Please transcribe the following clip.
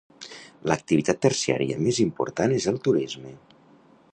L'activitat terciària més important és el turisme.